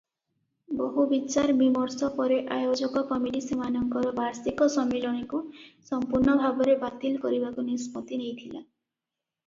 ବହୁ ବିଚାର ବିମର୍ଶ ପରେ ଆୟୋଜକ କମିଟି ସେମାନଙ୍କର ବାର୍ଷିକ ସମ୍ମିଳନୀକୁ ସମ୍ପୂର୍ଣ୍ଣ ଭାବରେ ବାତିଲ କରିବାକୁ ନିଷ୍ପତ୍ତି ନେଇଥିଲା ।